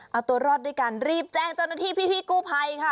เอาตัวรอดด้วยกันรีบแจ้งเจ้าหน้าที่พี่กู้ภัยค่ะ